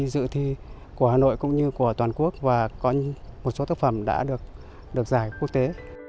dự thi của hà nội cũng như của toàn quốc và có một số tác phẩm đã được giải quốc tế